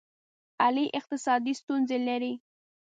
علي اقتصادي ستونزې لري.